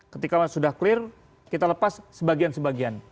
ketika sudah clear kita lepas sebagian sebagian